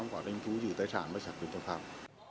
quá trình cứu trừ tài sản